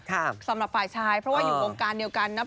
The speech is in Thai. ล็อคไว้พายชายเพราะว่าอยู่บงการเดียวกันนะ